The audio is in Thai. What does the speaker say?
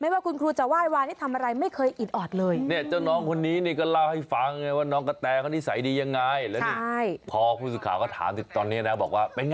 พูดข่าวเขาถามตอนนี้ได้บอกว่า